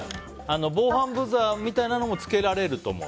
防犯ブザーみたいなのもつけられると思う。